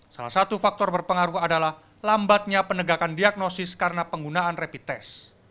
salah satu faktor berpengaruh adalah lambatnya penegakan diagnosis karena penggunaan rapid test